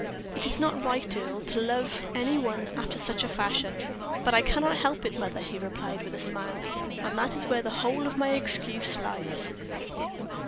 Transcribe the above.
"It is not right, Earle, to love any one after such a fashion." "But I cannot help it, mother," he replied, with a smile, "and that is where the whole of my excuse lies."